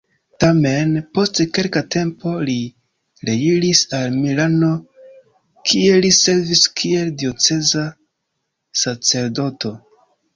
Tamen, post kelka tempo li reiris al Milano, kie li servis kiel dioceza sacerdoto.